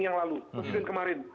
yang lalu kemudian kemarin